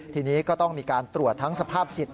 ทีนี้ก็ต้องมีการตรวจทั้งสภาพจิต